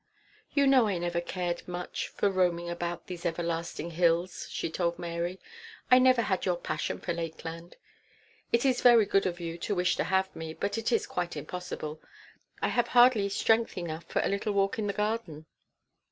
'You know I never cared much for roaming about these everlasting hills,' she told Mary. 'I never had your passion for Lakeland. It is very good of you to wish to have me, but it is quite impossible. I have hardly strength enough for a little walk in the garden.'